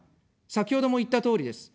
先ほども言ったとおりです。